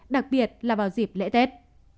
đặc biệt là vào dịp lễ tết